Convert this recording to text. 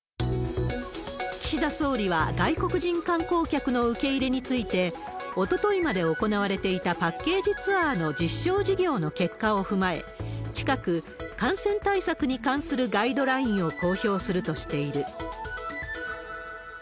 岸田総理は外国人観光客の受け入れについて、おとといまで行われていたパッケージツアーの実証事業の結果を踏まえ、近く、感染対策に関するガイドラインを公表するとしている。